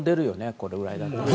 これぐらいだったら。